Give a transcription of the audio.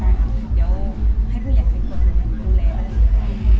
เดี๋ยวให้ผู้ใหญ่เป็นคนดูแลได้